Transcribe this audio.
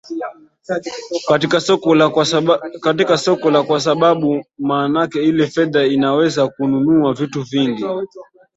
katika soko la kwa sababu maanake ile fedha inaweza kununua vitu vingi